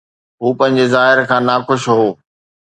هو پنهنجي ظاهر کان ناخوش هو.